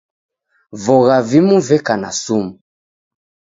Vogha vimu veka na sumu.